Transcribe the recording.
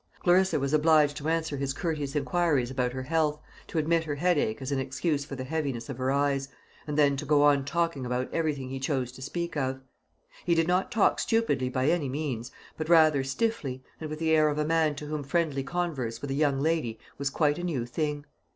Clarissa was obliged to answer his courteous inquiries about her health, to admit her headache as an excuse for the heaviness of her eyes, and then to go on talking about everything he chose to speak of. He did not talk stupidly by any means, but rather stiffly, and with the air of a man to whom friendly converse with a young lady was quite a new thing.